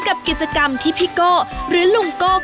กับกิจกรรมที่พี่โก้หรือลุงโก้